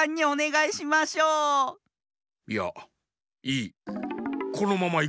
いやいい。